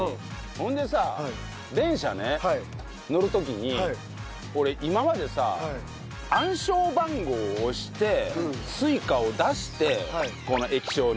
それでさ電車ね乗る時に俺今までさ暗証番号を押してＳｕｉｃａを出してこの液晶に。